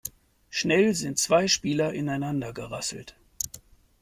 Schnell sind zwei Spieler ineinander gerasselt.